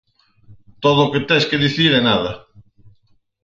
Todo o que tes que dicir e nada.